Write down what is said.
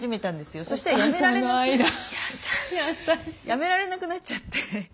やめられなくなっちゃって。